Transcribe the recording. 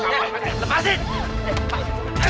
jangan buat lagi